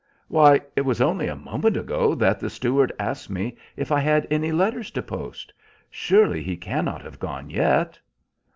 "Why, it was only a moment ago that the steward asked me if I had any letters to post. Surely he cannot have gone yet?"